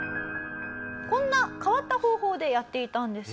こんな変わった方法でやっていたんです。